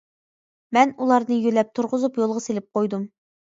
مەن ئۇلارنى يۆلەپ تۇرغۇزۇپ يولغا سېلىپ قويدۇم.